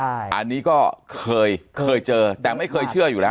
อันนี้ก็เคยเคยเจอแต่ไม่เคยเชื่ออยู่แล้ว